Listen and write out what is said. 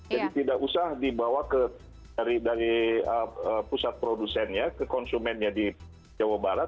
jadi tidak usah dibawa dari pusat produsennya ke konsumennya di jawa barat